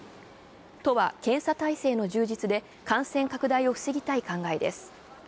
都は検査体制の充実で感染拡大を防ぎたい考えです。